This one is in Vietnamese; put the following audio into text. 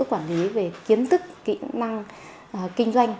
quản lý về kiến thức kỹ năng kinh doanh